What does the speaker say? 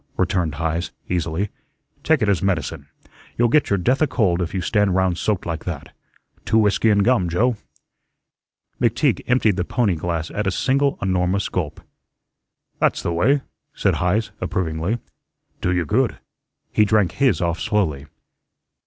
returned Heise, easily. "Take it as medicine. You'll get your death a cold if you stand round soaked like that. Two whiskey and gum, Joe." McTeague emptied the pony glass at a single enormous gulp. "That's the way," said Heise, approvingly. "Do you good." He drank his off slowly.